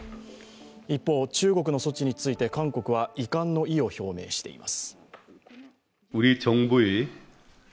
一方、中国の措置について韓国は遺憾の意を表明しています。